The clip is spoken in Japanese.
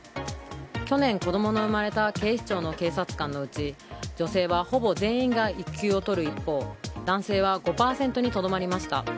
去年子供の生まれた警視庁の警察官のうち女性はほぼ全員が育休を取る一方男性は５％にとどまりました。